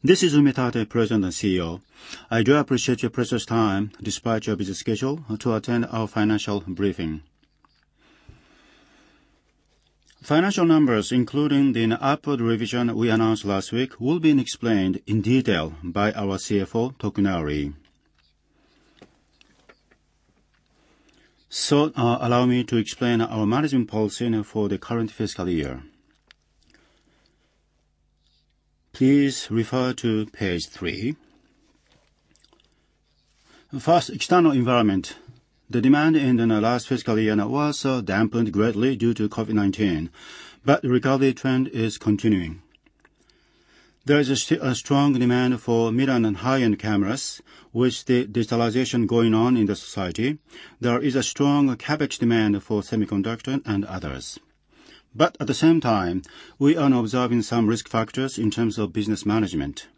This is Toshikazu Umatate, President and CEO. I do appreciate your precious time despite your busy schedule to attend our financial briefing. Financial numbers, including the upward revision we announced last week, will be explained in detail by our CFO, Muneaki Tokunari. Allow me to explain our managing policy for the current fiscal year. Please refer to page three. First, external environment. The demand in the last fiscal year was dampened greatly due to COVID-19, but the recovery trend is continuing. There is a strong demand for mid-end and high-end cameras. With the digitalization going on in the society, there is a strong CapEx demand for semiconductor and others. But at the same time, we are observing some risk factors in terms of business management.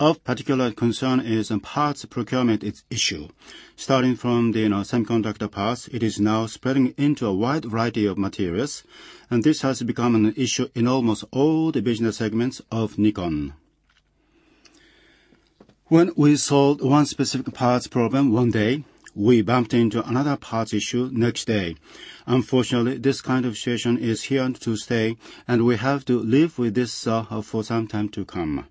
Of particular concern is parts procurement issue. Starting from the semiconductor parts, it is now spreading into a wide variety of materials, and this has become an issue in almost all the business segments of Nikon. When we solve one specific parts problem one day, we bumped into another parts issue next day. Unfortunately, this kind of situation is here to stay and we have to live with this, for some time to come.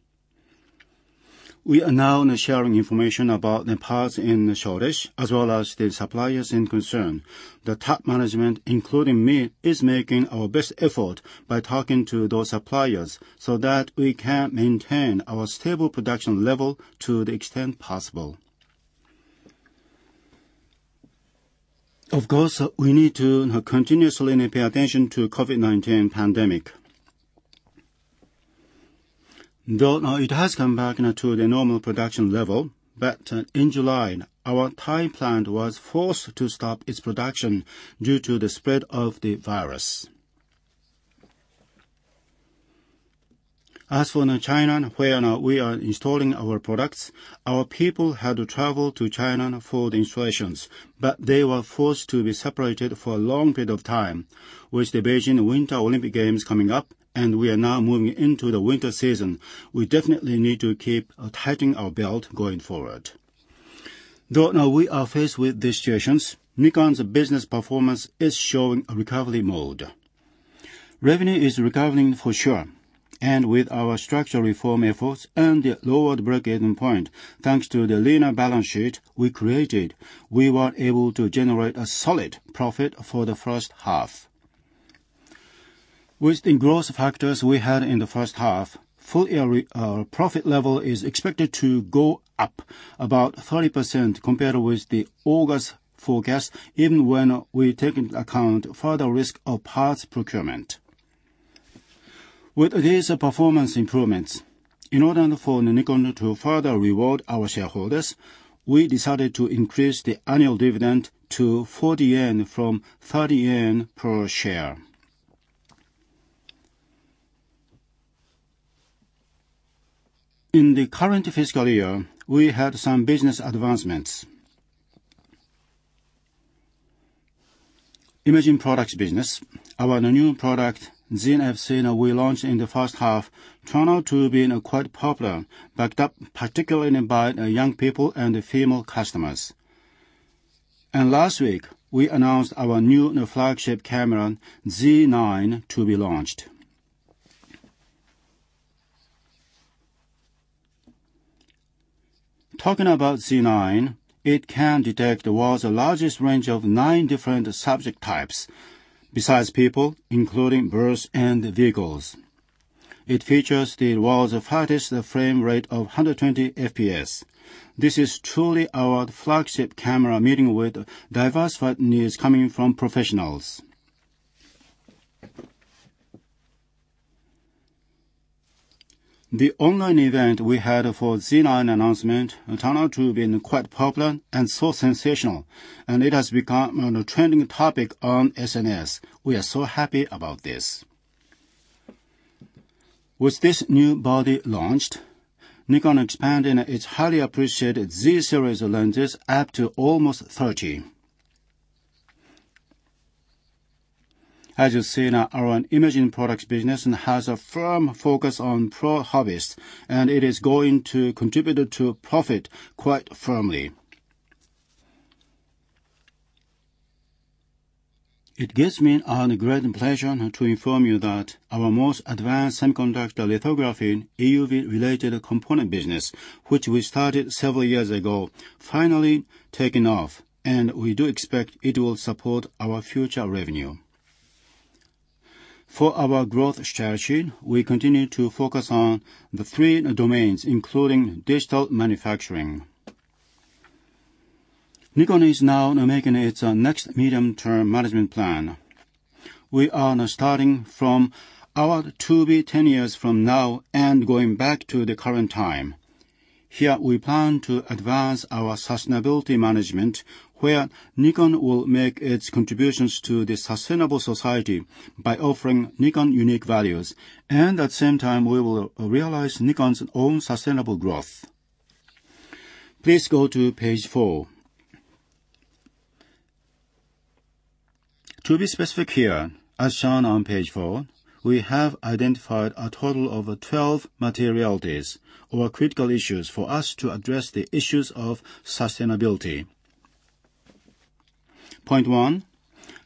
We are now sharing information about the parts in the shortage as well as the suppliers in concern. The top management, including me, is making our best effort by talking to those suppliers so that we can maintain our stable production level to the extent possible. Of course, we need to continuously pay attention to COVID-19 pandemic. Though now it has come back now to the normal production level, but in July, our Thai plant was forced to stop its production due to the spread of the virus. As for now, China, where now we are installing our products, our people had to travel to China for the installations, but they were forced to be separated for a long period of time. With the Beijing Winter Olympic Games coming up and we are now moving into the winter season, we definitely need to keep tightening our belt going forward. Though now we are faced with these situations, Nikon's business performance is showing a recovery mode. Revenue is recovering for sure, and with our structural reform efforts and the lowered break-even point, thanks to the leaner balance sheet we created, we were able to generate a solid profit for the first half. With the growth factors we had in the first half, full year profit level is expected to go up about 30% compared with the August forecast, even when we take into account further risk of parts procurement. With these performance improvements, in order for Nikon to further reward our shareholders, we decided to increase the annual dividend to 40 yen per share from JPY 30 per share. In the current fiscal year, we had some business advancements. Imaging Products business. Our new product, Z fc, we launched in the first half, turned out to have been quite popular, backed up particularly by young people and female customers. Last week, we announced our new flagship camera, Z 9, to be launched. Talking about Z 9, it can detect the world's largest range of nine different subject types, besides people, including birds and vehicles. It features the world's fastest frame rate of 120 FPS. This is truly our flagship camera meeting with diversified needs coming from professionals. The online event we had for Z 9 announcement turned out to have been quite popular and so sensational, and it has become a trending topic on SNS. We are so happy about this. With this new body launched, Nikon expanding its highly appreciated Z series of lenses up to almost 30. As you've seen, our Imaging Products business has a firm focus on pro/hobbyist, and it is going to contribute to profit quite firmly. It gives me a great pleasure to inform you that our most advanced semiconductor lithography EUV-related Components Business, which we started several years ago, finally taken off, and we do expect it will support our future revenue. For our growth strategy, we continue to focus on the three domains, including digital manufacturing. Nikon is now making its next medium-term management plan. We are now starting from our to-be 10 years from now and going back to the current time. Here, we plan to advance our sustainability management, where Nikon will make its contributions to the sustainable society by offering Nikon unique values. At the same time, we will realize Nikon's own sustainable growth. Please go to page four. To be specific here, as shown on page four, we have identified a total of 12 materialities or critical issues for us to address the issues of sustainability. Point one,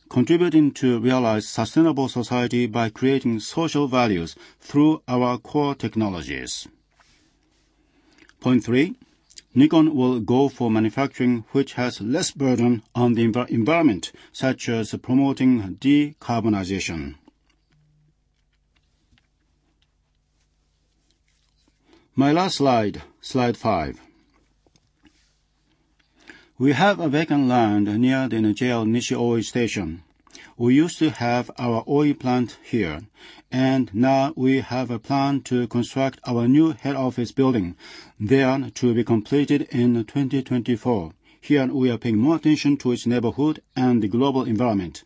contributing to realize sustainable society by creating social values through our core technologies. Point three, Nikon will go for manufacturing which has less burden on the environment, such as promoting decarbonization. My last slide five. We have a vacant land near the JR Nishi-Oi station. We used to have our Ohi Plant here, and now we have a plan to construct our new head office building there to be completed in 2024. Here, we are paying more attention to its neighborhood and the global environment.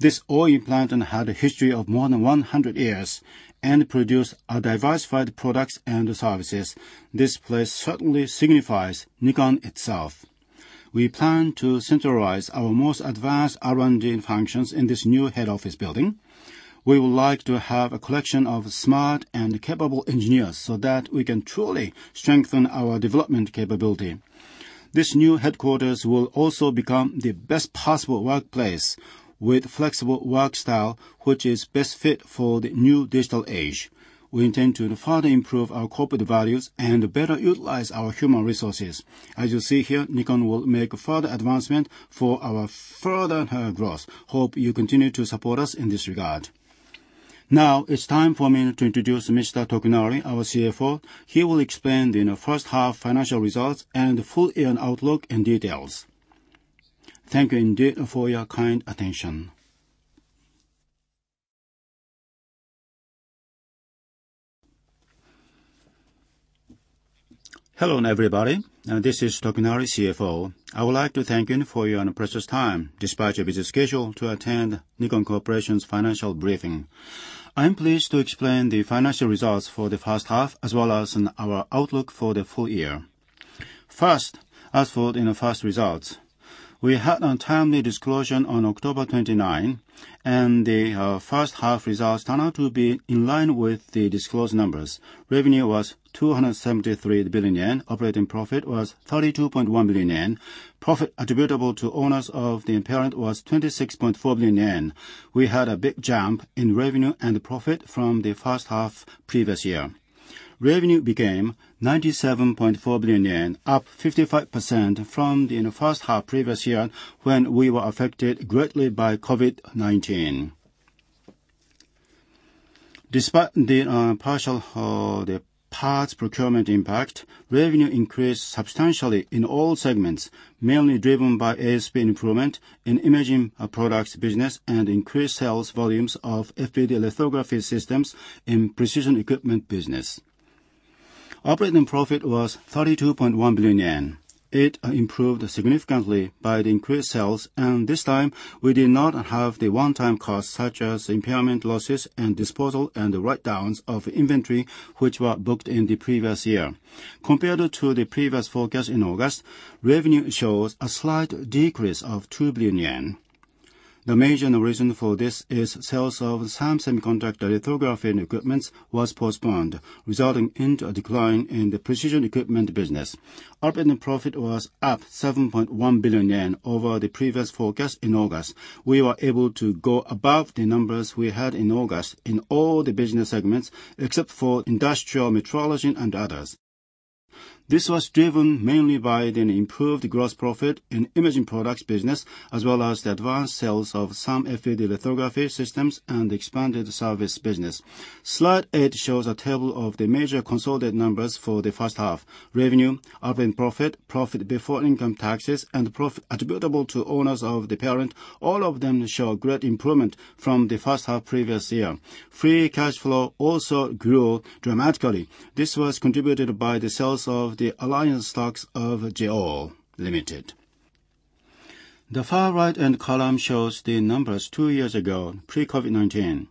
This Ohi Plant had a history of more than 100 years and produced diversified products and services. This place certainly signifies Nikon itself. We plan to centralize our most advanced R&D functions in this new head office building. We would like to have a collection of smart and capable engineers so that we can truly strengthen our development capability. This new headquarters will also become the best possible workplace with flexible work style, which is best fit for the new digital age. We intend to further improve our corporate values and better utilize our human resources. As you see here, Nikon will make further advancement for our further growth. Hope you continue to support us in this regard. Now it's time for me to introduce Mr. Tokunari, our CFO. He will explain the first-half financial results and full year outlook in detail. Thank you indeed for your kind attention. Hello, everybody. This is Tokunari, CFO. I would like to thank you for your precious time despite your busy schedule to attend Nikon Corporation's financial briefing. I am pleased to explain the financial results for the first half as well as our outlook for the full year. First, as for the first results, we had a timely disclosure on October 29, and the first-half results turned out to be in line with the disclosed numbers. Revenue was 273 billion yen. Operating profit was 32.1 billion yen. Profit attributable to owners of the parent was 26.4 billion yen. We had a big jump in revenue and profit from the first half previous year. Revenue became 97.4 billion yen, up 55% from the first half previous year when we were affected greatly by COVID-19. Despite the partial parts procurement impact, revenue increased substantially in all segments, mainly driven by ASP improvement in Imaging Products business and increased sales volumes of FPD lithography systems in Precision Equipment Business. Operating profit was 32.1 billion yen. It improved significantly by the increased sales, and this time we did not have the one-time costs such as impairment losses and disposal and the write-downs of inventory, which were booked in the previous year. Compared to the previous forecast in August, revenue shows a slight decrease of 2 billion yen. The major reason for this is sales of some semiconductor lithography equipment was postponed, resulting in a decline in the Precision Equipment Business. Operating profit was up 7.1 billion yen over the previous forecast in August. We were able to go above the numbers we had in August in all the business segments except for Industrial Metrology and Others. This was driven mainly by the improved gross profit in Imaging Products business as well as the advanced sales of some FPD lithography systems and expanded service business. Slide eight shows a table of the major consolidated numbers for the first half: revenue, operating profit before income taxes, and profit attributable to owners of the parent. All of them show great improvement from the first half previous year. Free cash flow also grew dramatically. This was contributed by the sales of the cross-held shares of JEOL Ltd. The far right-hand column shows the numbers two years ago, pre-COVID-19.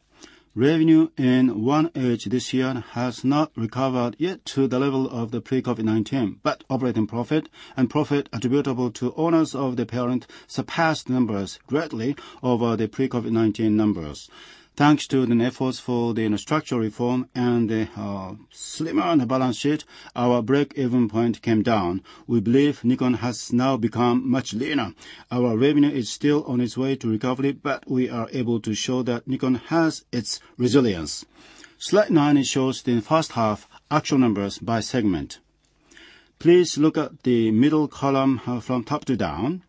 Revenue in 1H this year has not recovered yet to the level of the pre-COVID-19, but operating profit and profit attributable to owners of the parent surpassed numbers greatly over the pre-COVID-19 numbers. Thanks to the efforts for the structural reform and the slimmer balance sheet, our break-even point came down. We believe Nikon has now become much leaner. Our revenue is still on its way to recovery, but we are able to show that Nikon has its resilience. Slide nine shows the first half actual numbers by segment. Please look at the middle column from top to down.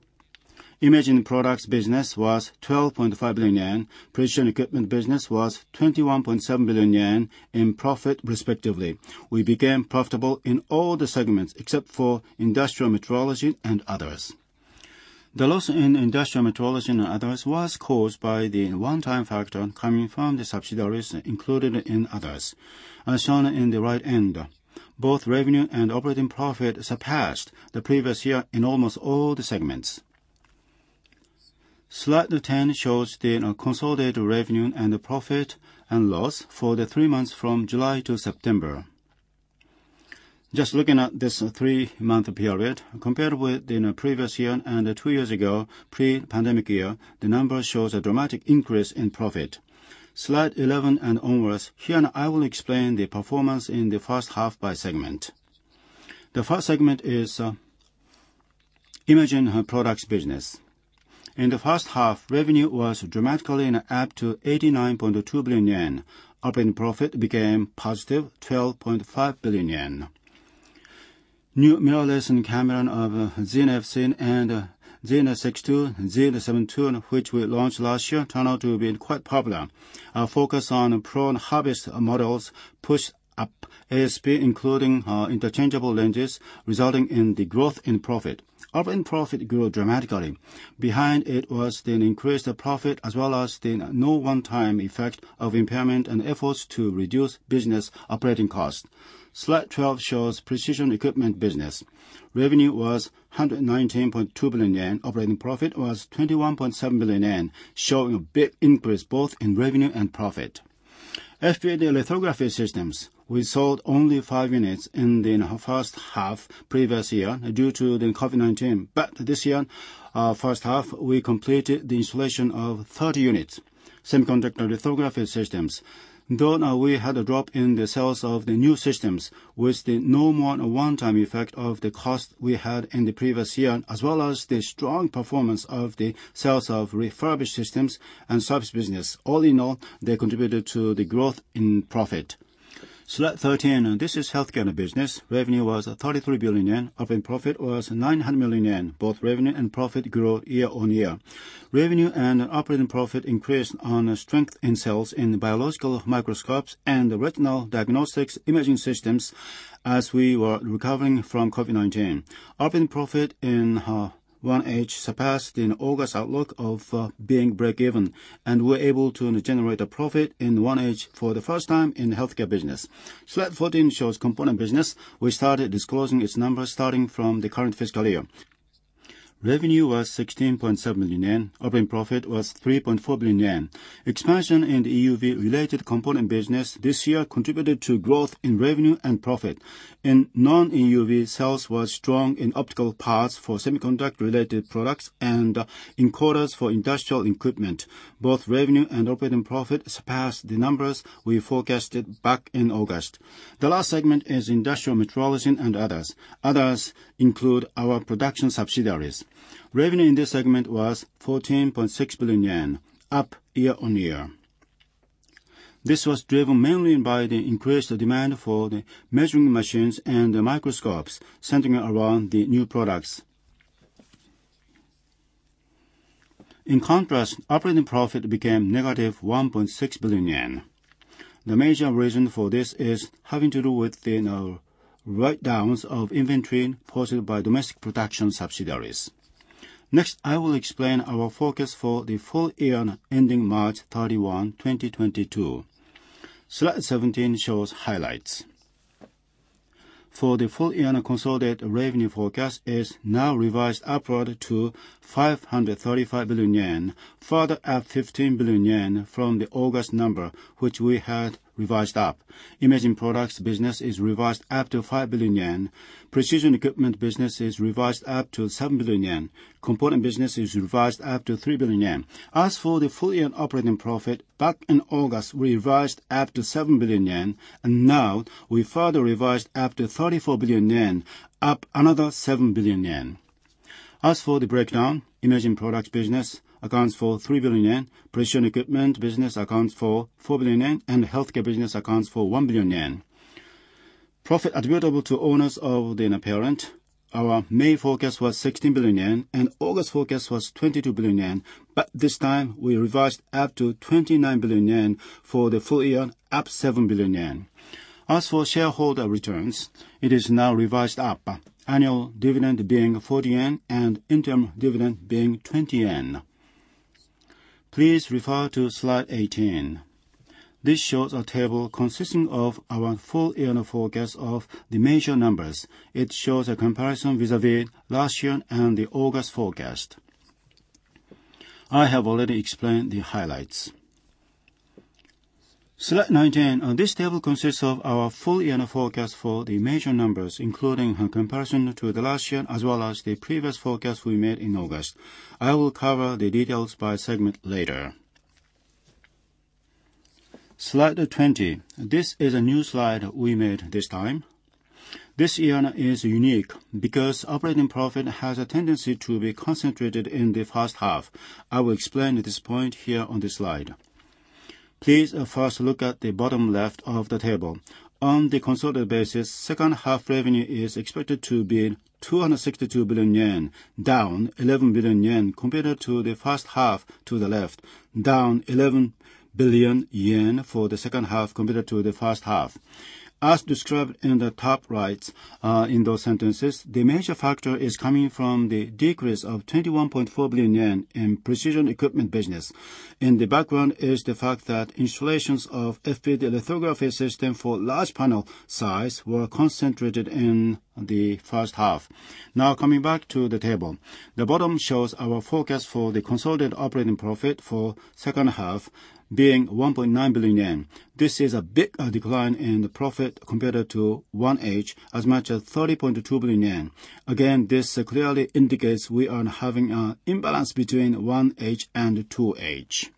Imaging Products Business was 12.5 billion yen. Precision Equipment Business was 21.7 billion yen in profit respectively. We became profitable in all the segments except for Industrial Metrology and Others. The loss in Industrial Metrology and Others was caused by the one-time factor coming from the subsidiaries included in others. As shown in the right end, both revenue and operating profit surpassed the previous year in almost all the segments. Slide 10 shows the consolidated revenue and the profit and loss for the three months from July to September. Just looking at this three-month period, compared with the previous year and two years ago, pre-pandemic year, the number shows a dramatic increase in profit. Slide 11 and onwards, here I will explain the performance in the first half by segment. The first segment is Imaging Products Business. In the first half, revenue was dramatically up to 89.2 billion yen. Operating profit became positive 12.5 billion yen. New mirrorless camera of Z fc and Z 6II, Z 7II, which we launched last year, turned out to be quite popular. Our focus on pro and hobbyist models pushed up ASP, including interchangeable lenses, resulting in the growth in profit. Operating profit grew dramatically. Behind it was the increased profit, as well as the no one-time effect of impairment and efforts to reduce business operating costs. Slide 12 shows Precision Equipment Business. Revenue was 119.2 billion yen. Operating profit was 21.7 billion yen, showing a big increase both in revenue and profit. FPD lithography systems, we sold only five units in the first half previous year due to the COVID-19. This year, first half, we completed the installation of 30 units. Semiconductor lithography systems, though now we had a drop in the sales of the new systems, with no more one-time effect of the cost we had in the previous year, as well as the strong performance of the sales of refurbished systems and service business. All in all, they contributed to the growth in profit. Slide 13. This is Healthcare. Revenue was 33 billion yen. Operating profit was 900 million yen. Both revenue and profit grew year-on-year. Revenue and operating profit increased on strength in sales in biological microscopes and retinal diagnostics imaging systems as we were recovering from COVID-19. Operating profit in 1H surpassed our August outlook of being breakeven, and we're able to generate a profit in 1H for the first time in Healthcare. Slide 14 shows Components Business. We started disclosing its numbers starting from the current fiscal year. Revenue was 16.7 billion yen. Operating profit was 3.4 billion yen. Expansion in the EUV-related component business this year contributed to growth in revenue and profit. In non-EUV, sales was strong in optical parts for semiconductor-related products and encoders for industrial equipment. Both revenue and operating profit surpassed the numbers we forecasted back in August. The last segment is Industrial Metrology and Others. Others include our production subsidiaries. Revenue in this segment was 14.6 billion yen, up year-on-year. This was driven mainly by the increased demand for the measuring machines and the microscopes, centering around the new products. In contrast, operating profit became -1.6 billion yen. The major reason for this is having to do with the write-downs of inventory caused by domestic production subsidiaries. Next, I will explain our forecast for the full year ending March 31, 2022. Slide 17 shows highlights. For the full year, consolidated revenue forecast is now revised upward to 535 billion yen, further up 15 billion yen from the August number, which we had revised up. Imaging Products business is revised up to 5 billion yen. Precision Equipment Business is revised up to 7 billion yen. Components Business is revised up to 3 billion yen. As for the full year operating profit, back in August, we revised up to 7 billion yen, and now we further revised up to 34 billion yen, up another 7 billion yen. As for the breakdown, Imaging Products Business accounts for 3 billion yen, Precision Equipment Business accounts for 4 billion yen, and Healthcare business accounts for 1 billion yen. Profit attributable to owners of the parent, our May forecast was 16 billion yen, and August forecast was 22 billion yen. This time, we revised up to 29 billion yen for the full year, up 7 billion yen. As for shareholder returns, it is now revised up, annual dividend being 40 yen and interim dividend being 20 yen. Please refer to slide 18. This shows a table consisting of our full year forecast of the major numbers. It shows a comparison vis-à-vis last year and the August forecast. I have already explained the highlights. Slide 19. This table consists of our full year forecast for the major numbers, including in comparison to the last year, as well as the previous forecast we made in August. I will cover the details by segment later. Slide 20. This is a new slide we made this time. This year is unique because operating profit has a tendency to be concentrated in the first half. I will explain this point here on this slide. Please first look at the bottom left of the table. On the consolidated basis, second half revenue is expected to be 262 billion yen, down 11 billion yen compared to the first half to the left, down 11 billion yen for the second half compared to the first half. As described in the top right, in those sentences, the major factor is coming from the decrease of 21.4 billion yen in Precision Equipment Business. In the background is the fact that installations of FPD lithography system for large panel size were concentrated in the first half. Now, coming back to the table. The bottom shows our forecast for the consolidated operating profit for second half being 1.9 billion yen. This is a big decline in the profit compared to 1H, as much as 30.2 billion yen. Again, this clearly indicates we are having an imbalance between 1H and 2H.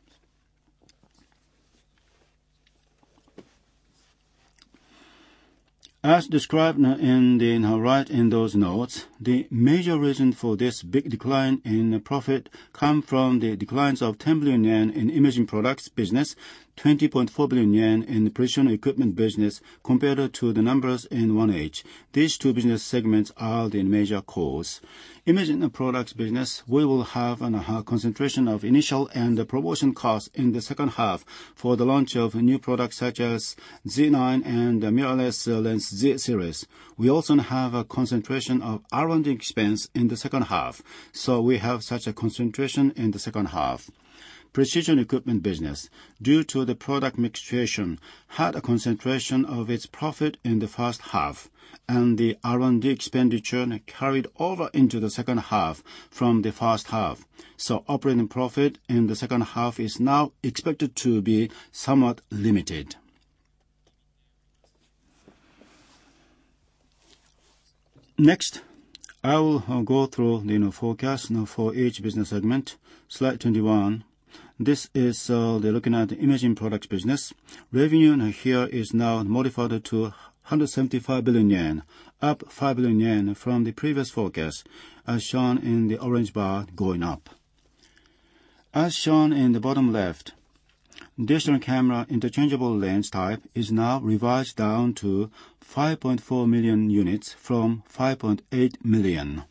As described in the, you know, right in those notes, the major reason for this big decline in profit comes from the declines of 10 billion yen in Imaging Products Business, 20.4 billion yen in Precision Equipment Business compared to the numbers in 1H. These two business segments are the major cause. Imaging Products Business, we will have a concentration of initial and the promotion cost in the second half for the launch of new products such as Z 9 and the mirrorless lens Z series. We also have a concentration of R&D expense in the second half, so we have such a concentration in the second half. Precision Equipment Business, due to the product mix, had a concentration of its profit in the first half, and the R&D expenditure carried over into the second half from the first half. Operating profit in the second half is now expected to be somewhat limited. Next, I will go through the, you know, forecast for each business segment. Slide 21. This is looking at Imaging Products Business. Revenue here is now modified to 175 billion yen, up 5 billion yen from the previous forecast, as shown in the orange bar going up. As shown in the bottom left, digital camera interchangeable lens type is now revised down to 5.4 million units from 5.8 million.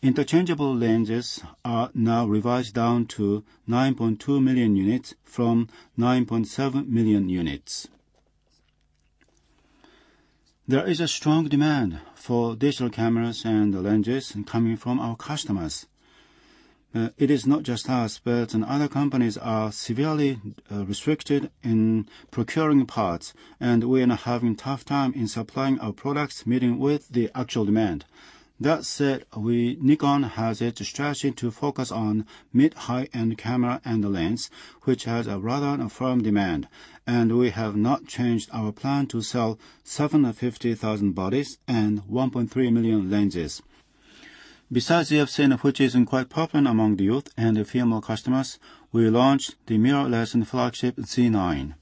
Interchangeable lenses are now revised down to 9.2 million units from 9.7 million units. There is a strong demand for digital cameras and lenses coming from our customers. It is not just us, but other companies are severely restricted in procuring parts, and we are now having tough time in supplying our products meeting with the actual demand. That said, Nikon has its strategy to focus on mid-high-end camera and the lens, which has a rather firm demand, and we have not changed our plan to sell 750,000 bodies and 1.3 million lenses. Besides Z fc, which is quite popular among the youth and the female customers, we launched the mirrorless and flagship Z 9.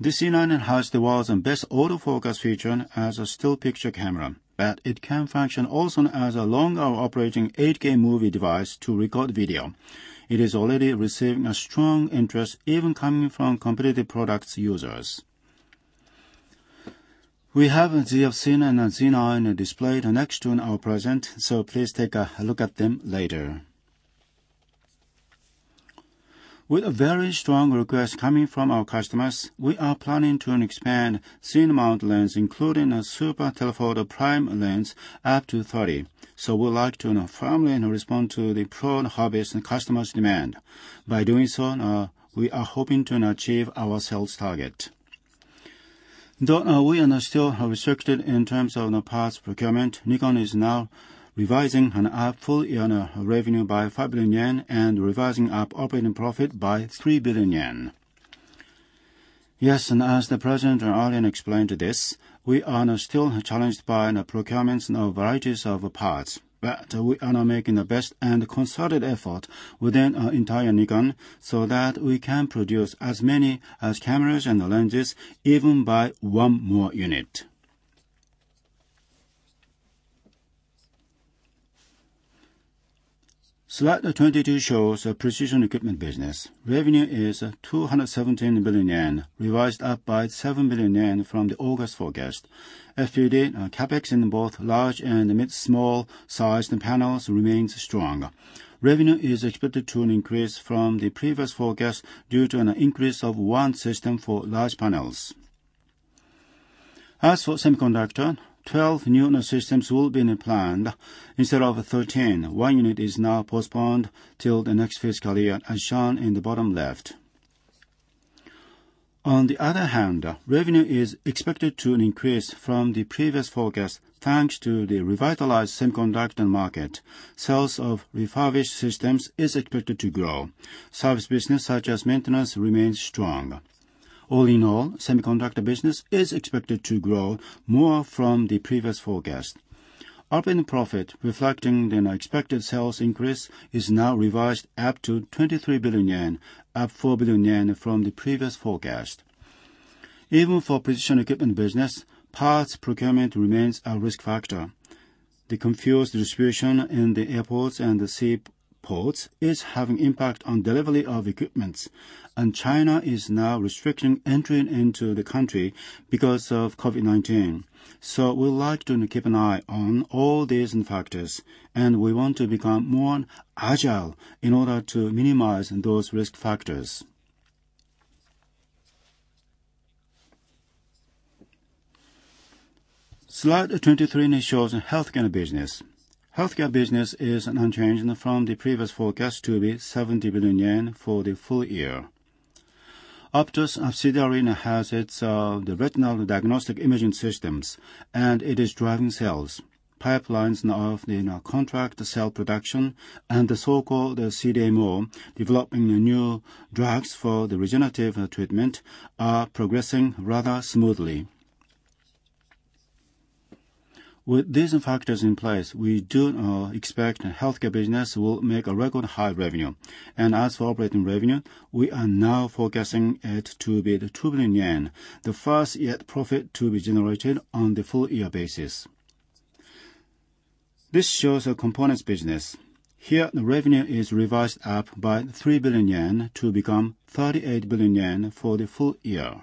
The Z 9 has the world's best autofocus feature as a still picture camera, but it can function also as a long hour operating 8K movie device to record video. It is already receiving strong interest, even coming from competitive products users. We have Z fc and Z 9 displayed next to our president, so please take a look at them later. With a very strong request coming from our customers, we are planning to expand Z mount lens, including a super telephoto prime lens up to 30. We would like to now firmly respond to the pro/hobbyist and customers' demand. By doing so, we are hoping to now achieve our sales target. Though, we are now still restricted in terms of the parts procurement, Nikon is now revising up fully on a revenue by 5 billion yen and revising up operating profit by 3 billion yen. Yes, and as the president earlier explained this, we are now still challenged by the procurements of varieties of parts. We are now making the best and concerted effort within entire Nikon so that we can produce as many as cameras and the lenses, even by one more unit. Slide 22 shows the Precision Equipment Business. Revenue is 217 billion yen, revised up by 7 billion yen from the August forecast. FPD CapEx in both large and mid- and small-sized panels remains strong. Revenue is expected to increase from the previous forecast due to an increase of one system for large panels. As for semiconductor, 12 new systems will be now planned instead of 13. One unit is now postponed till the next fiscal year, as shown in the bottom left. On the other hand, revenue is expected to increase from the previous forecast, thanks to the revitalized semiconductor market. Sales of refurbished systems is expected to grow. Service business, such as maintenance, remains strong. All in all, semiconductor business is expected to grow more from the previous forecast. Operating profit, reflecting an expected sales increase, is now revised up to 23 billion yen, up 4 billion yen from the previous forecast. Even for Precision Equipment Business, parts procurement remains a risk factor. The confused distribution in the airports and the sea ports is having impact on delivery of equipment. China is now restricting entering into the country because of COVID-19. We would like to keep an eye on all these factors, and we want to become more agile in order to minimize those risk factors. Slide 23 now shows Healthcare business. Healthcare business is now unchanged from the previous forecast to be 70 billion yen for the full year. Optos subsidiary now has its, the retinal diagnostic imaging systems, and it is driving sales. Pipelines now of the contract cell production and the so-called CDMO, developing the new drugs for the regenerative treatment, are progressing rather smoothly. With these factors in place, we do expect Healthcare business will make a record high revenue. As for operating profit, we are now revising it up to 2 billion yen, the first net profit to be generated on the full year basis. This shows our Components Business. Here, the revenue is revised up by 3 billion yen to become 38 billion yen for the full year.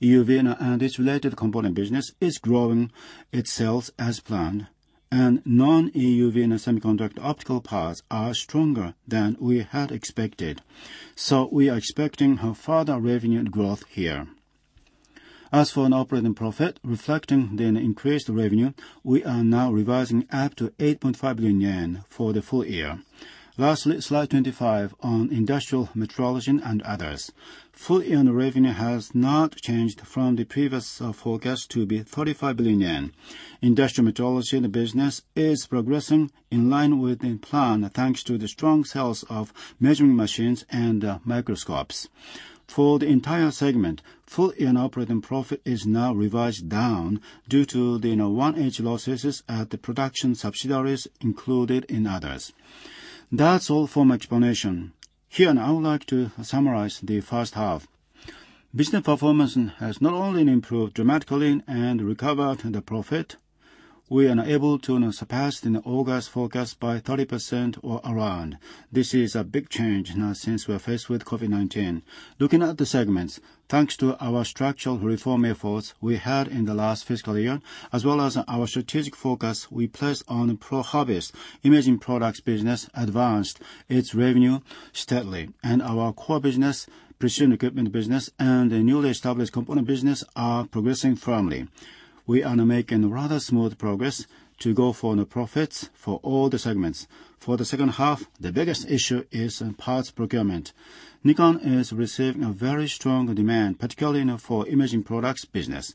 EUV and its related components business is growing its sales as planned, and non-EUV semiconductor optical parts are stronger than we had expected, so we are expecting a further revenue growth here. As for operating profit, reflecting the increased revenue, we are now revising up to 8.5 billion yen for the full year. Lastly, slide 25 on Industrial Metrology and Others. Full-year revenue has not changed from the previous forecast to be 35 billion yen. Industrial Metrology in the business is progressing in line with the plan, thanks to the strong sales of measuring machines and microscopes. For the entire segment, full-year operating profit is now revised down due to the one-off losses at the production subsidiaries included in Others. That's all for my explanation. Here, now I would like to summarize the first half. Business performance has not only improved dramatically and recovered the profit, we are now able to surpass the August forecast by 30% or around. This is a big change now since we are faced with COVID-19. Looking at the segments, thanks to our structural reform efforts we had in the last fiscal year, as well as our strategic focus we placed on pro/hobbyist, Imaging Products Business advanced its revenue steadily, and our core business, Precision Equipment Business, and the newly established Components Business are progressing firmly. We are now making rather smooth progress to go for the profits for all the segments. For the second half, the biggest issue is parts procurement. Nikon is receiving a very strong demand, particularly now for Imaging Products Business,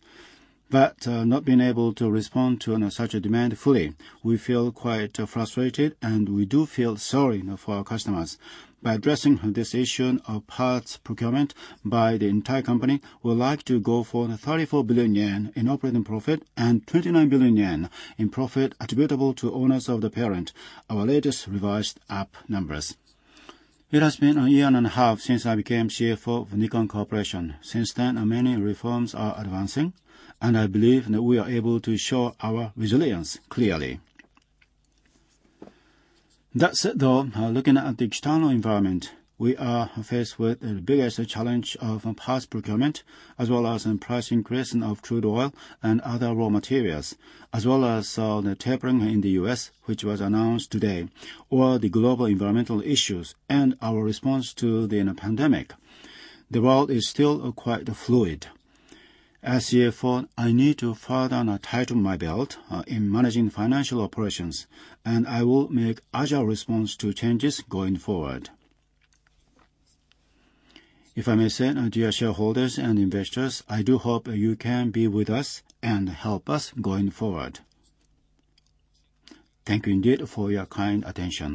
but not being able to respond to such a demand fully, we feel quite frustrated, and we do feel sorry now for our customers. By addressing this issue of parts procurement by the entire company, we would like to go for the 34 billion yen in operating profit and 29 billion yen in profit attributable to owners of the parent, our latest revised up numbers. It has been a year and a half since I became CFO of Nikon Corporation. Since then, many reforms are advancing, and I believe that we are able to show our resilience clearly. That said, though, looking at the external environment, we are faced with the biggest challenge of parts procurement, as well as in price increase of crude oil and other raw materials, as well as, the tapering in the U.S., which was announced today, or the global environmental issues and our response to the pandemic. The world is still quite fluid. As CFO, I need to further tighten my belt in managing financial operations, and I will make agile response to changes going forward. If I may say, dear shareholders and investors, I do hope you can be with us and help us going forward. Thank you indeed for your kind attention.